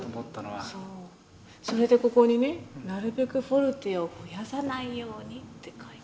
そうそれでここにね「なるべくフォルテをふやさないように」って書いてある。